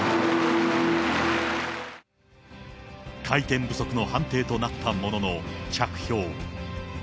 回転不足の判定となったものの、着氷。